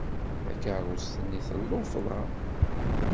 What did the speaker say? Takerrust-nni tellufḍa.